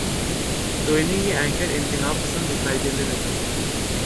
تو انہیں یہ اینکر انتہا پسند دکھائی دینے لگے ہیں۔